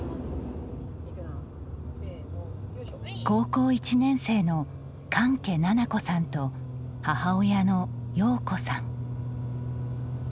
高校１年生の菅家菜々子さんと母親の洋子さん。